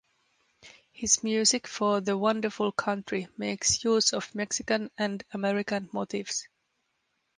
His music for "The Wonderful Country" makes use of Mexican and American motifs.